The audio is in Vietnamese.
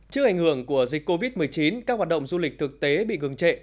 trước ảnh hưởng của dịch covid một mươi chín các hoạt động du lịch thực tế bị gừng trệ